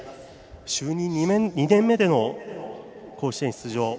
就任２年目での甲子園出場。